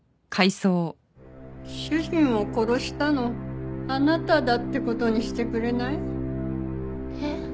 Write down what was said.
主人を殺したのあなただって事にしてくれない？えっ？